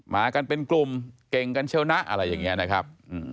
มากันเป็นกลุ่มเก่งกันเชียวนะอะไรอย่างนี้นะครับ